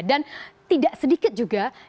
dan tidak sedikit juga